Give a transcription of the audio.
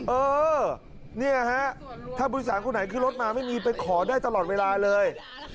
เออนี่แหละฮะถ้าบุริษัทคุณไหนขึ้นรถมาไม่มีไปขอได้ตลอดเวลาเลย